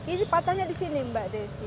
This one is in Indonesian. ini patahnya di sini mbak desi